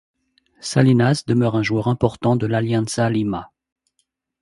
Salinas demeure un joueur important de l'Alianza Lima.